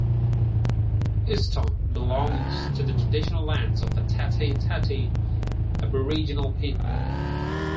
Euston belongs to the traditional lands of the Tati Tati Aboriginal people.